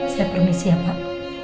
saya permisi ya pak